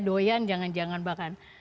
doyan jangan jangan bahkan